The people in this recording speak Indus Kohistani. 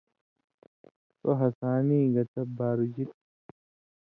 سو ہسانی گتہ بارُژیۡ تھی۔